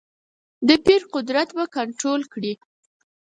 د پیر قدرت کنټرول کړې.